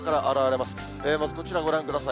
まずこちらご覧ください。